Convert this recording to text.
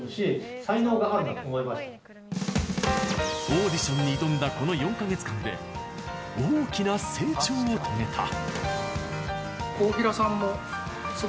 オーディションに挑んだこの４カ月間で大きな成長を遂げた。